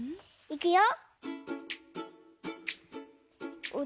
いくよ。